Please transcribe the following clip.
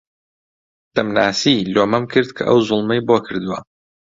دەمناسی، لۆمەم کرد کە ئەو زوڵمەی بۆ کردووە